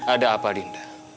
ada apa dinda